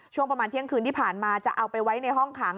ช่วงประมาณเที่ยงคืนที่ผ่านมาจะเอาไปไว้ในห้องขัง